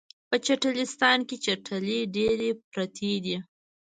په چټلستان کې چټلۍ ډیرې پراتې دي